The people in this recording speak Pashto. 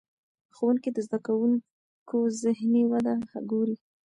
ښوونکي د زده کوونکو ذهني وده ګوري.